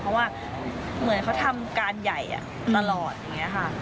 เพราะว่าเหมือนเขาทำการใหญ่ตลอดอย่างนี้ค่ะ